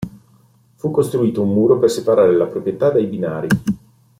Fu costruito un muro per separare la proprietà dai binari.